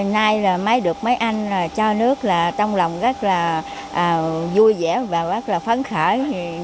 nay là máy được mấy anh cho nước là trong lòng rất là vui vẻ và rất là phấn khởi